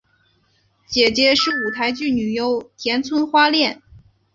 姐姐是舞台剧女优田村花恋。